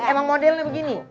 emang modelnya begini